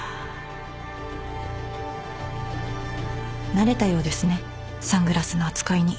慣れたようですねサングラスの扱いに。